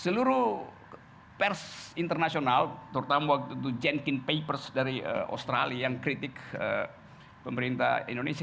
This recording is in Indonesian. seluruh pers internasional terutama waktu itu jenkin papers dari australia yang kritik pemerintah indonesia